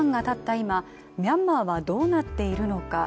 今、ミャンマーはどうなっているのか。